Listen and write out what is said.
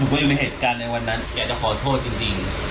หนูก็อยู่ในเหตุการณ์ในวันนั้นแกจะขอโทษจริง